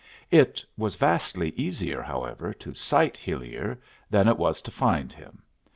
It was vastly easier, however, to cite Hillier than it was to find him.